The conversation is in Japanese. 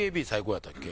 やったっけ？